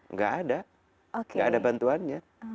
nggak ada nggak ada bantuannya